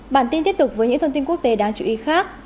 bản tin tiếp tục với những thông tin quốc tế đáng chú ý khác